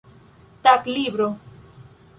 taglibro